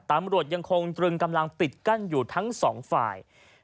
ติดกันอยู่ทั้งสองฝ่าย